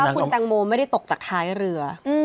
คุณแตงโมไม่ได้ตกจากท้ายเรือ